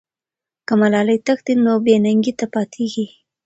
که ملالۍ تښتي، نو بې ننګۍ ته پاتې کېږي.